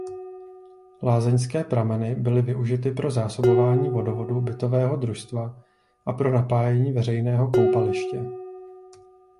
Lázeňské prameny byly využity pro zásobování vodovodu bytového družstva a pro napájení veřejného koupaliště.